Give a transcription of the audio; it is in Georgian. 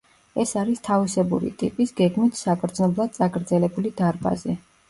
ეს არის თავისებური ტიპის, გეგმით საგრძნობლად წაგრძელებული დარბაზი.